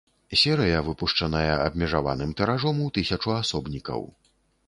Серыя выпушчаная абмежаваным тыражом у тысячу асобнікаў.